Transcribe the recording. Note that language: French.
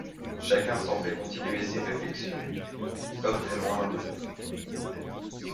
Chacun semblait continuer ses réflexions, comme très loin l'un de l'autre.